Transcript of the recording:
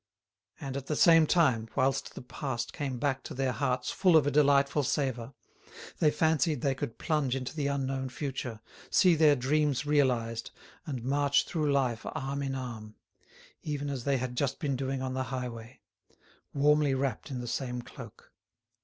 And at the same time, whilst the past came back to their hearts full of a delightful savour, they fancied they could plunge into the unknown future, see their dreams realised, and march through life arm in arm—even as they had just been doing on the highway—warmly wrapped in the same cloak.